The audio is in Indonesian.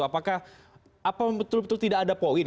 apakah apa betul betul tidak ada poin